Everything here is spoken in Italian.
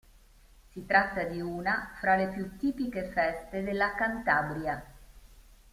Si tratta di una fra le più tipiche feste della Cantabria.